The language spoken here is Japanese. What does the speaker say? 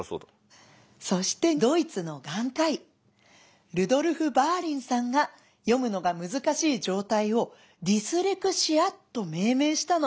そしてドイツの眼科医ルドルフ・バーリンさんが読むのが難しい状態をディスレクシアと命名したの」。